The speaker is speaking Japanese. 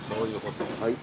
はい。